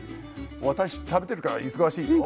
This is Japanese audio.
私食べてるから忙しいと？